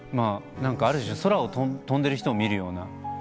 ある種空を飛んでる人を見るような。